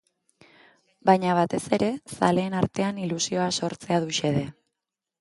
Baina, batez ere, zaleen artean ilusioa sortzea du xede.